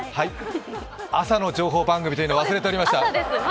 朝の情報番組というのを忘れておりました！